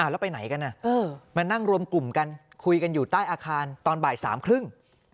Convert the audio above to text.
แล้วไปไหนกันมานั่งรวมกลุ่มกันคุยกันอยู่ใต้อาคารตอนบ่ายสามครึ่ง